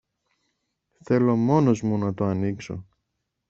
Θέλω μόνος μου να το ανοίξω.